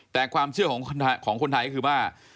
แต่ความเชื่อของคนไทยก็คือว่า